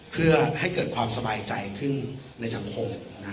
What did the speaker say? เพื่อให้เกิดความสบายใจขึ้นในสังคม